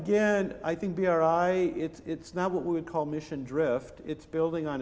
jadi sekali lagi saya pikir bri bukanlah misi yang kita sebutkan bergerak